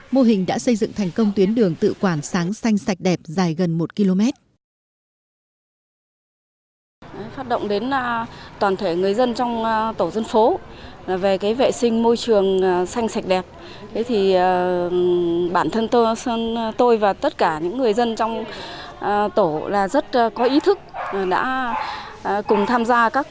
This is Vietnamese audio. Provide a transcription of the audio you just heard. mô hình đã xây dựng thành công tuyến đường tự quản sáng xanh sạch đẹp dài gần một km